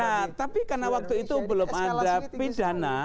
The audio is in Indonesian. nah tapi karena waktu itu belum ada pidana